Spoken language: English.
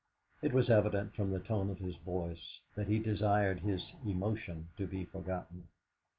It was evident from the tone of his voice that he desired his emotion to be forgotten.